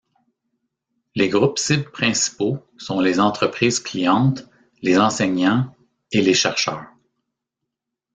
Les groupes cibles principaux sont les entreprises clientes, les enseignants et les chercheurs.